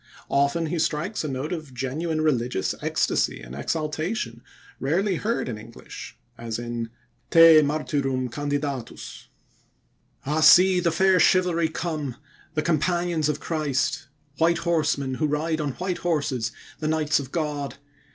Often he strikes a note of genuine religious ecstasy and exaltation rarely heard in English, as in "Te Martyrum Candidatus": Ah, see the fair chivalry come, the companions of Christ! White Horsemen, who ride on white horses, the Knights of God!